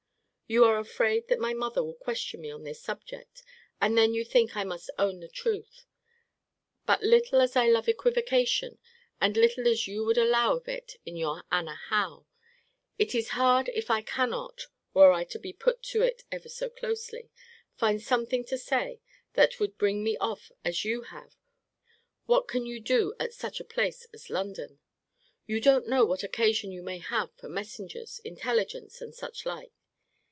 You are afraid that my mother will question me on this subject; and then you think I must own the truth. But little as I love equivocation, and little as you would allow of it in your Anna Howe, it is hard if I cannot (were I to be put to it ever so closely) find something to say that would bring me off, as you have, what can you do at such a place as London? You don't know what occasion you may have for messengers, intelligence, and suchlike.